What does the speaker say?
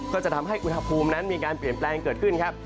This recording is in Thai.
ก็จะทำให้อุณหภูมินั้นมีการเปลี่ยนแปลงเกิดขึ้นครับ